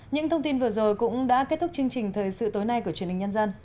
những thông tin vừa rồi cũng đã kết thúc chương trình thời sự tối nay của truyền hình nhân dân